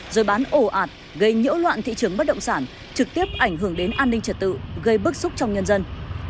rồi bán ổ ạt gây nhiễu loạn thị trường bất động sản trực tiếp ảnh hưởng đến an ninh trật tự gây bức xúc trong nhân dân